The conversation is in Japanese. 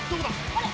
あれ？